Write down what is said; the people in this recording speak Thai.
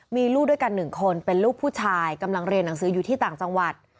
มีลูกด้วยกัน๑คนเป็นลูกผู้ชายกำลังเรียนหนังสืออยู่ที่ต่างจังหวัด